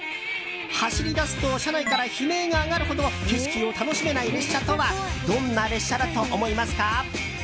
走り出すと車内から悲鳴が上がるほど景色を楽しめない列車とはどんな列車だと思いますか？